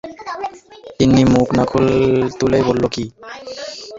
তিন্নি মুখ না তুলেই বলল, কি?